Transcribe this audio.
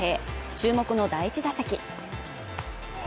注目の第１打席。